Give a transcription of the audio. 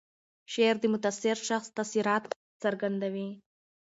شعر د متاثر شخص تاثیرات څرګندوي.